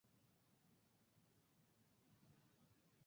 Mission ছিল থুলেতে একটি রেডিও এবং আবহাওয়া স্টেশন স্থাপন করা।